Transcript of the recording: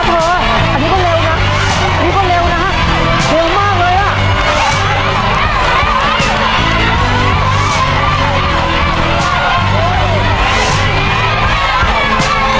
ตัวแล้วหลุมลับกันด้วยนะ